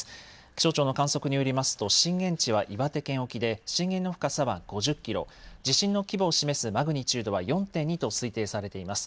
気象庁の観測によりますと震源地は岩手県沖で震源の深さは５０キロ、地震の規模を示すマグニチュードは４．２と推定されています。